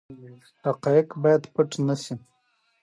حقایق باید پټ نه سي.